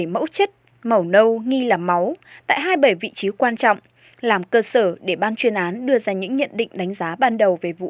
hai mươi bảy mẫu chất màu nâu nghi là máu tại hai mươi bảy vị trí quan trọng làm cơ sở để ban chuyên án đưa ra những nhận định đánh giá ban đầu về vụ án